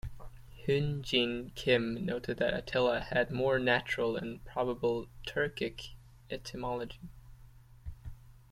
Hyun Jin Kim noted Attila has more natural and probable Turkic etymology.